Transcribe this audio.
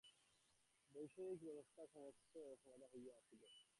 বৈষয়িক ব্যবস্থা সমস্ত সমাধা হইয়া আসিল।